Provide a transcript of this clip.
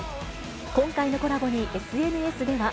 今回のコラボにＳＮＳでは。